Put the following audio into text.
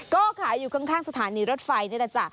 ก็ขายอยู่ข้างสถานีรถไฟนี่แหละจ้ะ